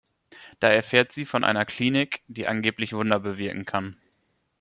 Da erfährt sie von einer Klinik, die angeblich Wunder bewirken kann.